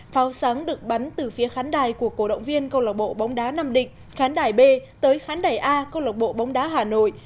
pháo sáng được bắn từ phía khán đài của cổ động viên câu lạc bộ bóng đá nam định khán đài b tới khán đài a công lộc bộ bóng đá hà nội